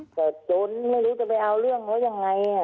แต่จนไม่รู้จะไปเอาเรื่องเขายังไง